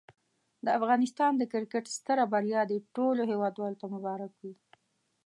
د افغانستان د کرکټ ستره بریا دي ټولو هېوادوالو ته مبارک وي.